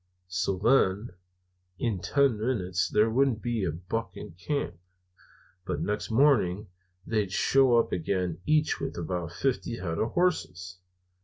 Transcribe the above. "So, then, in ten minutes there wouldn't be a buck in camp, but next morning they shows up again, each with about fifty head of hosses.